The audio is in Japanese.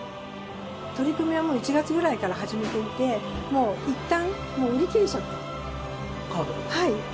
取り組みはもう１月ぐらいから始めていて、もういったん、カードが？